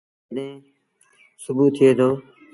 ائيٚݩ جڏهيݩ سُوڀو ٿئي دو